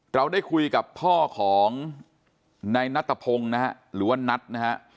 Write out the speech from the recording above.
เราได้คุยกับพ่อของในนัตฑพงศ์นะหรือว่านัตฑ์นะฮะ